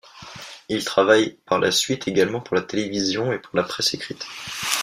Il travaille par la suite également pour la télévision et pour la presse écrite.